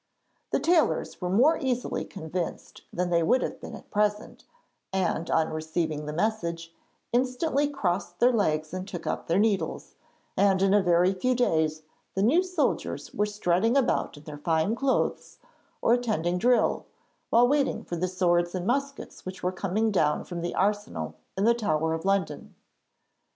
The tailors were more easily convinced than they would have been at present, and, on receiving the message, instantly crossed their legs and took up their needles, and in a very few days the new soldiers were strutting about in their fine clothes or attending drill, while waiting for the swords and muskets which were coming down from the arsenal in the Tower of London.